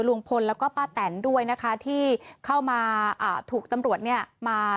ลุงพลแล้วก็ป้าแตนด้วยนะคะที่เข้ามาถูกตำรวจเนี่ยมา